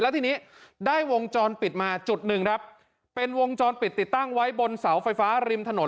แล้วทีนี้ได้วงจรปิดมาจุดหนึ่งครับเป็นวงจรปิดติดตั้งไว้บนเสาไฟฟ้าริมถนน